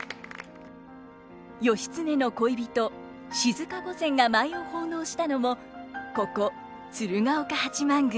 義経の恋人静御前が舞を奉納したのもここ鶴岡八幡宮。